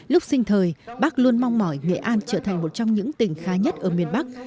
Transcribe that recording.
lúc sinh thời bác luôn mong mỏi nghệ an trở thành một trong những tỉnh khá nhất ở miền bắc